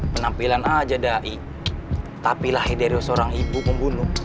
penampilan aja da'i tapi lahir dari seorang ibu pembunuh